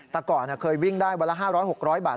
แต่ก่อนเคยวิ่งได้วันละ๕๐๐๖๐๐บาท